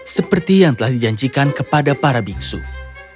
seperti yang telah dijanjikan kepada pantiasuhan